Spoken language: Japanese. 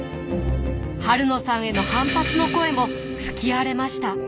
晴野さんへの反発の声も吹き荒れました。